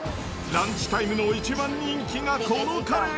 ランチタイムの一番人気が、このカレー。